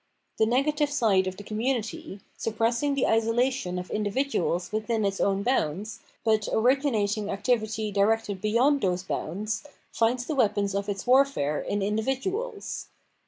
The negative side of the com munity, suppressing the isolation of individuals within its own bounds, but originating activity directed beyond those bounds, finds the weapons of its warfare in individ uals.